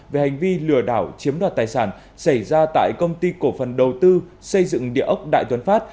về hành vi lừa đảo chiếm đoạt tài sản xảy ra tại công ty cổ phần đầu tư xây dựng địa ốc đại tuấn phát